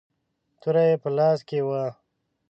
توره يې په لاس کې وه.